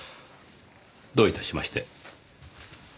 どういたしまして。